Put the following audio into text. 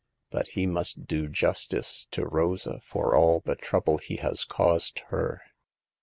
But he must do justice to Rosa for all the trouble he has caused her.